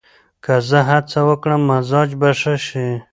که زه هڅه وکړم، مزاج به ښه شي.